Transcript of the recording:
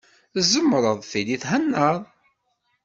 Tzemreḍ tili thennaḍ.